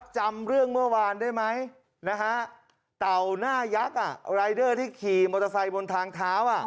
จำเรื่องเมื่อวานได้ไหมเต่าหน้ายักษ์รายเดอร์ที่ขี่มอเตอร์ไซค์บนทางเท้า